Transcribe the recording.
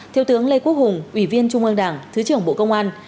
thiếu tướng lê quốc hùng ủy viên trung ương đảng thứ trưởng bộ công an